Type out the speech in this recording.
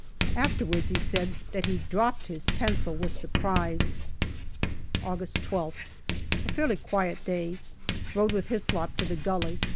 Afterwards, he said that he dropped his pencil with surprise. August 12th. A fairly quiet day. Rode with Hyslop to the gully.